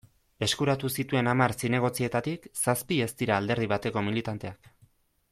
Eskuratu zituen hamar zinegotzietatik, zazpi ez dira alderdi bateko militanteak.